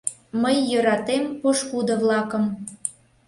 Мый йӧратем пошкудо-влакым